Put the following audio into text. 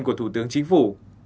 của thủ tướng chính phủ